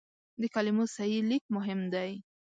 د کلمو صحیح لیک مهم دی.